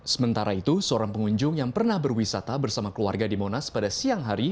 sementara itu seorang pengunjung yang pernah berwisata bersama keluarga di monas pada siang hari